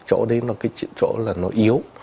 chỗ đấy là cái chỗ là nó yếu